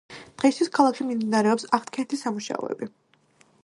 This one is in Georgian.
დღეისათვის ქალაქში მიმდინარეობს აღდგენითი სამუშაოები.